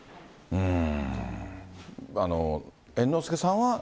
うーん。